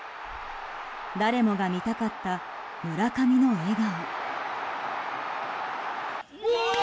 誰もが見たかった村上の笑顔。